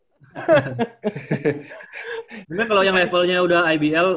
sebenernya kalo yang levelnya udah ibl